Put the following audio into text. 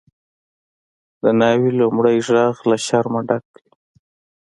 د ناوی لومړی ږغ له شرمه ډک وي.